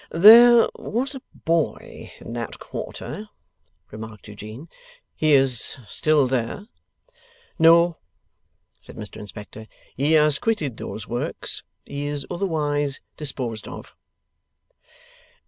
'There was a boy in that quarter,' remarked Eugene. 'He is still there?' 'No,' said Mr Inspector. 'He has quitted those works. He is otherwise disposed of.